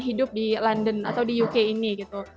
hidup di london atau di uk ini gitu